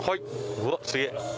うわすげえ。